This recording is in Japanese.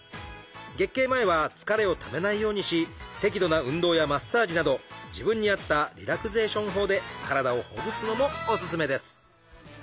月経前は疲れをためないようにし適度な運動やマッサージなど自分に合ったリラクゼーション法で体をほぐすのもおすすめです！